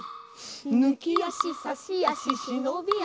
抜き足差し足忍び足。